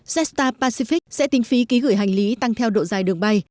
jetstar pacific sẽ tinh phí ký gửi hành lý tăng theo độ dài đường bay